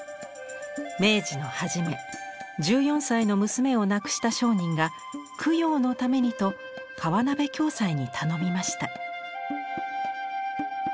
明治の初め１４歳の娘を亡くした商人が供養のためにと河鍋暁斎に頼みました。